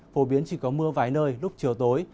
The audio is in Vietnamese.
phổ biến chỉ có mưa vài nơi lúc chiều tối